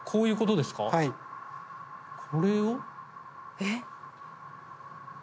えっ？